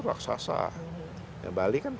raksasa bali kan